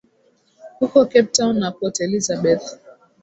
huko Cape Town na Port Elizabeth